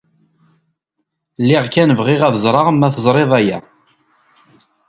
Lliɣ kan bɣiɣ ad ẓreɣ ma teẓrid aya.